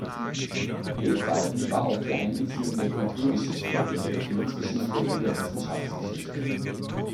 Wegweisend war auch die Einbeziehung der Kulturgeschichte, der Religionsgeschichte und der Wissenschaftsgeschichte.